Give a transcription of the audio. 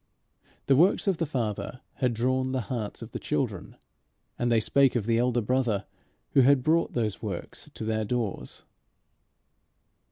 The works of the Father had drawn the hearts of the children, and they spake of the Elder Brother who had brought those works to their doors.